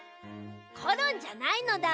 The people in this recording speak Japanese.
コロンじゃないのだ。